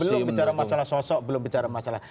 belum bicara masalah sosok belum bicara masalah